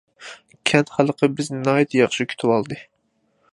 كەنت خەلقى بىزنى ناھايىتى ياخشى كۈتۈۋالدى.